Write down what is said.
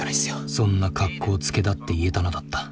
そんな格好つけだって言えたのだった。